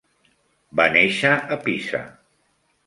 Va néixer a Pisa.